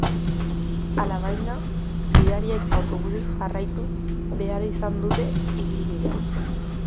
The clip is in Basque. Alabaina, bidariek autobusez jarraitu behar izan dute ibilbidea.